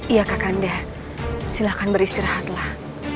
iya kak kanda silakan beristirahatlah